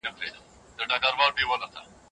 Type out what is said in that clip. پانګه وال نظام د فردي ملکیت زېږنده دی.